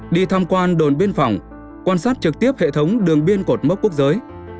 đi tham quan đồn biên phòng quan sát trực tiếp hệ thống đường biên cột mốc quốc giới